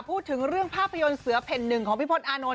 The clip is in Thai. พูดถึงเรื่องภาพยนตร์เสือเพ่นหนึ่งของพี่พลตอานนท